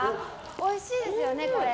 おいしいですよね、これ。